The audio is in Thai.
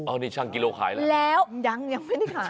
อ้าวนี่ช่างกิโลขายแล้วยังยังไม่ได้ขาย